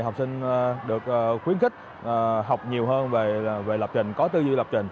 học sinh được khuyến khích học nhiều hơn về lập trình có tư duy lập trình